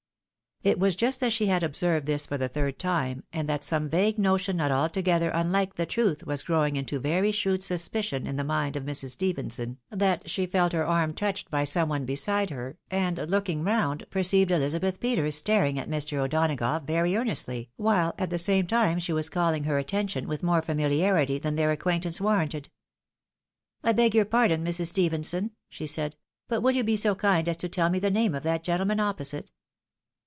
It was just as she had observed this for the third time, and that some vague notion not altogether unhke the truth was growing into very shrewd suspicion in the mind of Mrs. Stephenson, that 364 THE WIDOW MARKIED. she felt her arm touched by some one beside her, and looking round, perceived Elizabeth Peters staring at Mr. O'Donagough very earnestly, while at the same time she was calling her attention with more familiarity than their acquaintance warranted. "Ibegyourpardon, Mrs. Stephenson," she said, "but will you be so kind as to tell me the name of that gentleman opposite